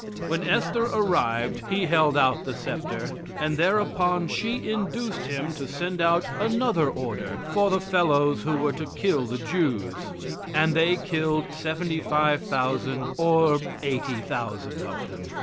When Esther arrived he held out the sceptre, and there upon she induced him to send out another order for the fellows who were to kill the Jews, and they killed 75,000 or 80,000 of them.